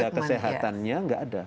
tenaga kesehatannya enggak ada